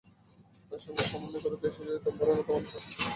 তার সঙ্গে সমন্বয় করে দেশেও যদি দাম কমানো হয়, তাতে বিনিয়োগ বাড়বে।